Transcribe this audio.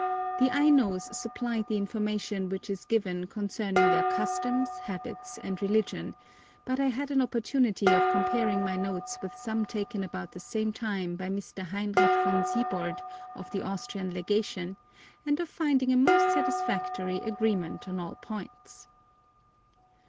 The Ainos supplied the information which is given concerning their customs, habits, and religion; but I had an opportunity of comparing my notes with some taken about the same time by Mr. Heinrich Von Siebold of the Austrian Legation, and of finding a most satisfactory agreement on all points.